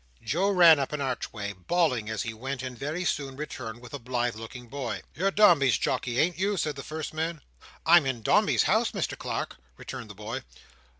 Joe ran up an archway, bawling as he went, and very soon returned with a blithe looking boy. "You're Dombey's jockey, ain't you?" said the first man. "I'm in Dombey's House, Mr Clark," returned the boy.